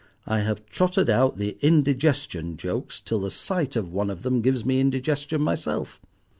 I have trotted out the indigestion jokes till the sight of one of them gives me indigestion myself.